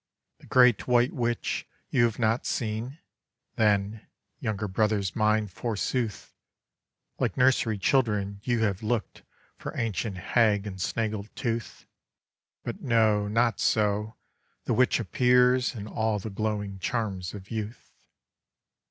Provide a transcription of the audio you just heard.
The great white witch you have not seen? Then, younger brothers mine, forsooth, Like nursery children you have looked For ancient hag and snaggled tooth; But no, not so; the witch appears In all the glowing charms of youth.